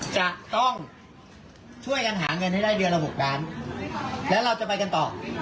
จะต้องช่วยกันหาเงินให้ได้เดือนละ๖ล้านแล้วเราจะไปกันต่อ